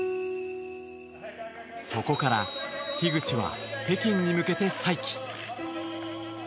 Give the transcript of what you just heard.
そこから樋口は北京に向けて再起。